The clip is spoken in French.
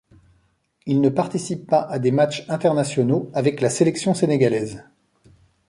Il ne participe pas à des matchs internationaux avec la sélection sénégalaise.